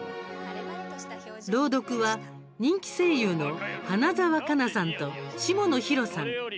朗読は人気声優の花澤香菜さんと下野紘さん。